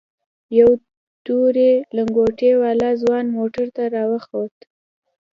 يو تورې لنگوټې والا ځوان موټر ته راوخوت.